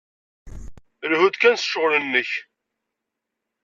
Lhu-d kan s ccɣel-nnek.